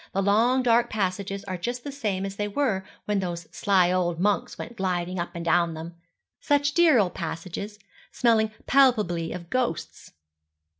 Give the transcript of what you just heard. The long dark passages are just the same as they were when those sly old monks went gliding up and down them such dear old passages, smelling palpably of ghosts.'